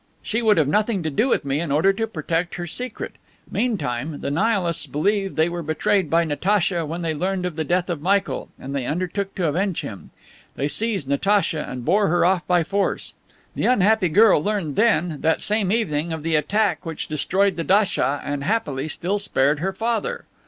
She would have nothing to do with me in order to protect her secret. Meantime, the Nihilists believed they were betrayed by Natacha when they learned of the death of Michael, and they undertook to avenge him. They seized Natacha, and bore her off by force. The unhappy girl learned then, that same evening, of the attack which destroyed the datcha and, happily, still spared her father.